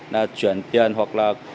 là chuyển tiền hoặc là